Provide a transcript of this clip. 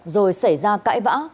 rồi xảy ra cãi vã